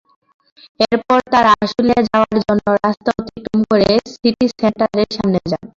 এরপর তাঁরা আশুলিয়া যাওয়ার জন্য রাস্তা অতিক্রম করে সিটি সেন্টারের সামনে যান।